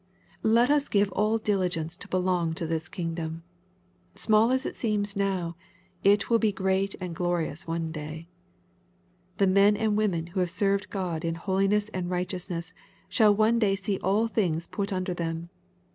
^' Let us give all diligence to belong to this kingdom. Small as it seems now, it will be great and glorious one day. The men and women who have served God in " holiness and righteousness" shall one day see all things put under them.